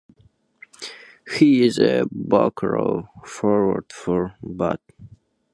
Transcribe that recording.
He is a back row forward for Bath.